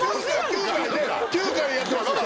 ９回９回やってますよ。